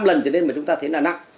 lần trở lên mà chúng ta thấy là nặng